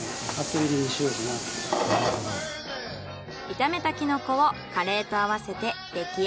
炒めたキノコをカレーと合わせて出来あがり。